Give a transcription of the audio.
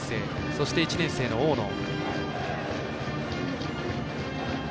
そして、１年生の大野。